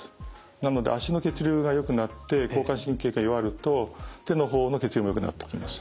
なので足の血流がよくなって交感神経が弱ると手の方の血流もよくなってきます。